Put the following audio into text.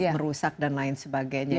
merusak dan lain sebagainya